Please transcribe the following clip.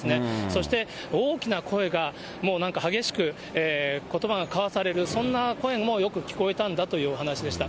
そして、大きな声がもうなんか激しくことばが交わされる、そんな声もよく聞こえたんだというお話でした。